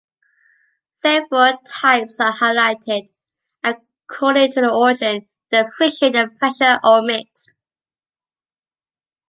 Several types are highlighted according to their origin, their friction, their pressure or mixed.